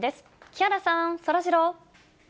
木原さん、そらジロー。